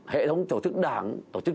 hệ thống tổ chức đảng tổ chức